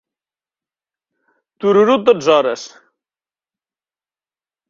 Tururut dotze hores!